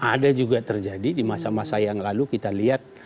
ada juga terjadi di masa masa yang lalu kita lihat